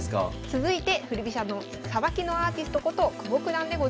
続いて振り飛車のさばきのアーティストこと久保九段でございます。